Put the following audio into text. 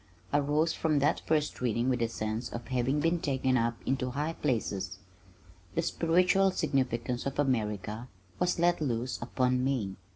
I rose from that first reading with a sense of having been taken up into high places. The spiritual significance of America was let loose upon me.